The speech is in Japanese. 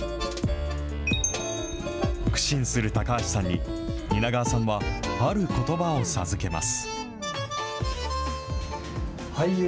苦心する高橋さんに、蜷川さんは、あることばを授けます。